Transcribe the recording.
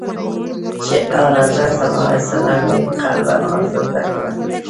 چي آنحضرت ص یې قلباً آزرده کړ.